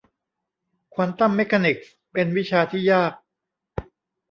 ควอนตัมเมคานิคส์ เป็นวิชาที่ยาก